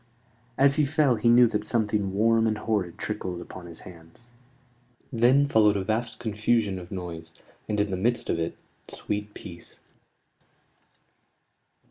As he fell he knew that something warm and horrid trickled upon his hands. Then followed a vast confusion of noise: and, in the midst of it, sweet peace.